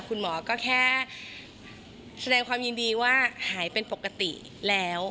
คุณหมอก็แค่แสดงความยินดีว่าหายเป็นปกติแล้ว